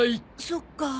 そっか。